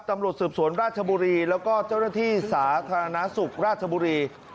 ตำรวจสืบสวนราชบุรีแล้วก็เจ้าหน้าที่สาธารณสุขราชบุรี